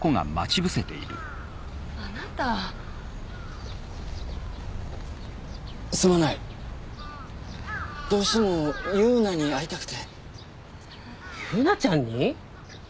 ⁉あなたすまないどうしても優奈に会いたくて優奈ちゃんに？